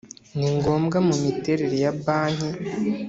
Ningombwa mu miterere ya banki.